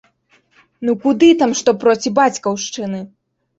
Ну куды там што проці бацькаўшчыны?!